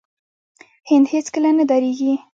هند هیڅکله نه دریږي.